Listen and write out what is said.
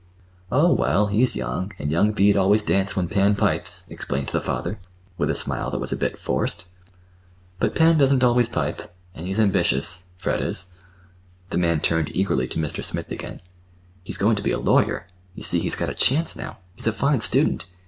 "Oh, well, he's young, and young feet always dance When Pan pipes," explained the father, with a smile that was a bit forced. "But Pan doesn't always pipe, and he's ambitious—Fred is." The man turned eagerly to Mr. Smith again. "He's going to be a lawyer—you see, he's got a chance now. He's a fine student.